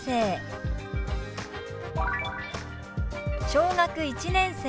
「小学１年生」。